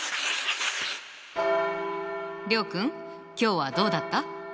諒君今日はどうだった？